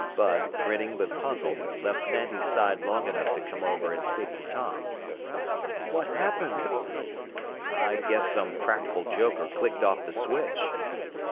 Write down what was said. Bud, grinning but puzzled, left Sandy's side long enough to come over and speak to Tom. "What happened?" "I guess some practical joker clicked off the switch."